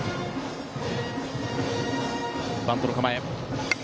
バントの構え。